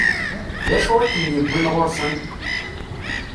D acu i kem-yewwin ɣur-sen?